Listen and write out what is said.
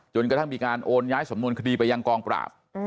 กระทั่งมีการโอนย้ายสำนวนคดีไปยังกองปราบ